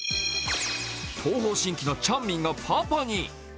東方神起のチャンミンがパパに。